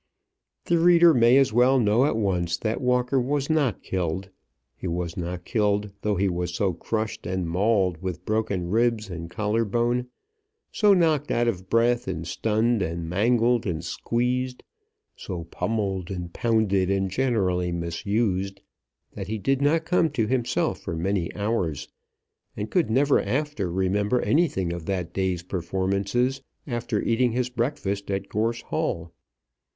The reader may as well know at once that Walker was not killed. He was not killed, though he was so crushed and mauled with broken ribs and collar bone, so knocked out of breath and stunned and mangled and squeezed, so pummelled and pounded and generally misused, that he did not come to himself for many hours, and could never after remember anything of that day's performances after eating his breakfast at Gorse Hall.